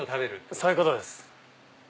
そういうことです。